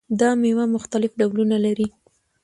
دا میوه مختلف ډولونه لري.